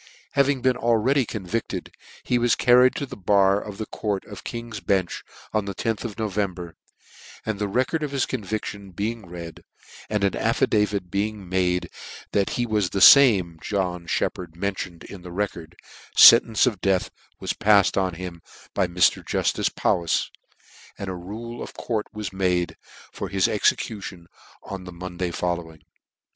Having been already convicted, he was carried to the bar of the court of King's Bench on the loth of November, and the record of his convic tion being read, and an affidavit being made that he was the lame John Sheppard mentioned in the record, fcntence of death was paficd on him by Mr. Juftice Powis, and a rule of court was made for his execution on the Monday following.